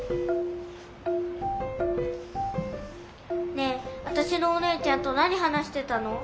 ねえわたしのお姉ちゃんと何話してたの？